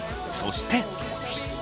そして。